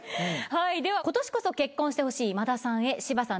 では今年こそ結婚してほしい今田さんへ芝さん